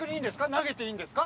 投げていいんですか？